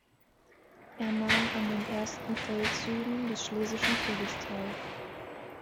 Er nahm an den ersten Feldzügen des schlesischen Krieges teil.